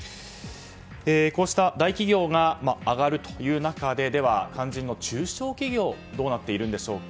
こうした大企業が上がるという中ででは、肝心の中小企業はどうなっているんでしょうか。